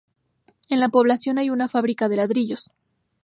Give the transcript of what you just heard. En la población hay una fábrica de ladrillos.